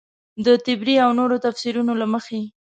د طبري او نورو تفیسیرونو له مخې.